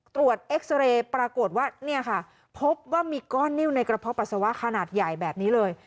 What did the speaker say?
เอ็กซาเรย์ปรากฏว่าเนี่ยค่ะพบว่ามีก้อนนิ้วในกระเพาะปัสสาวะขนาดใหญ่แบบนี้เลย